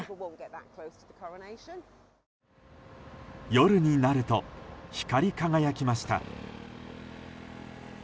夜になると光り輝きました。